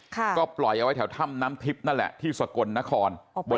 ค่ะก็ปล่อยเอาไว้แถวถ้ำน้ำทิพย์นั่นแหละที่สกลนครออกไปไหนแล้ว